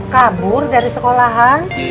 kabur dari sekolahan